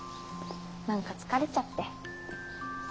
何か疲れちゃって。